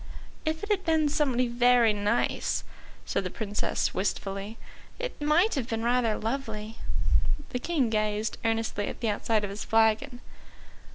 "If it had been somebody very nice," said the Princess wistfully, "it might have been rather lovely." The King gazed earnestly at the outside of his flagon.